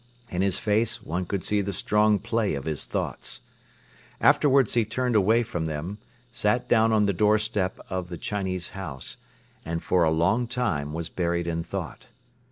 In his face one could see the strong play of his thoughts. Afterwards he turned away from them, sat down on the doorstep of the Chinese house and for a long time was buried in thought.